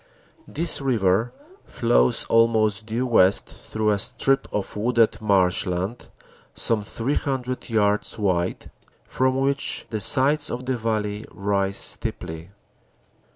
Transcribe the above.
This river flows almost due west through a strip of wooded marsh land some 300 yards wide, from which the sides of the valley rise steeply.